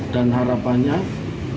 dan harapannya bisa jadi seperti apa